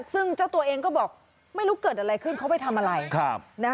ซึ่งเจ้าตัวเองก็บอกไม่รู้เกิดอะไรขึ้นเขาไปทำอะไร